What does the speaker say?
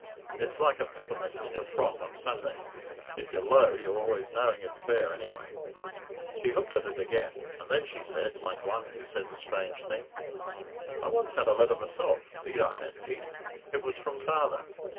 It's like a peppermint in your frock on Sunday if you're low you're always knowing it's there, anyway." She looked at it again, and then she said, like one who says a strange thing, "I once had a letter myself 'deed I had, Pete. It was from father.